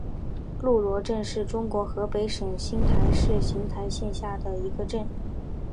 路罗镇是中国河北省邢台市邢台县下辖的一个镇。